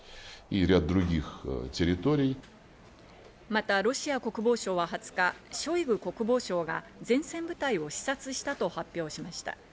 またロシア国防省は２０日、ショイグ国防相が前線部隊を視察したと発表しました。